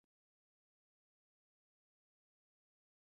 The name reverted to Murchison Falls following the downfall of Idi Amin.